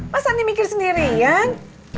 masa nih mikir sendirian